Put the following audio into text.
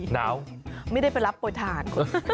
หนาวไม่ได้ไปรับโปรทาน